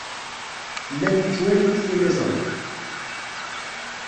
Llant ttwalint tiliẓri.